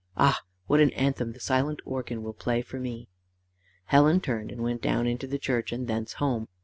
Ah, what an anthem the silent organ will play for me!" Helen turned and went down into the church, and thence home.